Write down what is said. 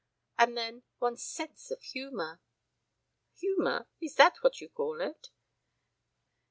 And then, one's sense of humor !" "Humor? Is that what you call it?"